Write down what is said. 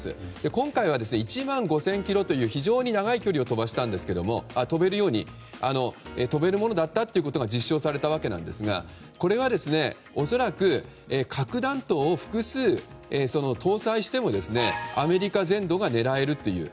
今回は１万５０００ｋｍという非常に長い距離を飛べるものだったというのが実証されたわけですがこれは、恐らく核弾頭を複数搭載しても、アメリカ全土が狙えるという。